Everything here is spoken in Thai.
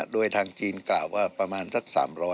โดยทางจีนกล่าวว่าประมาณสัก๓๐๐